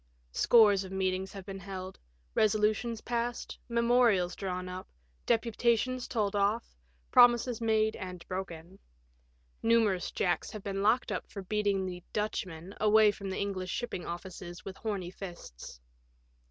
Scores of meetings have been held, resolutions passed, memorials drawn up, deputations told off, pro mises made and broken. Numerous Jacks have been locked up for beating the " Dutchman " away from the English shipping offices with horny ffsts.